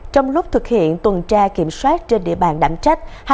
trong lúc thực hiện tuần tra kiểm soát trên địa bàn đảm trách